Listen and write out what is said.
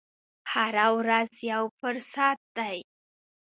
هره ورځ یو فرصت دی.